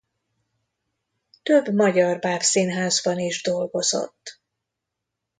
Több magyar bábszínházban is dolgozott.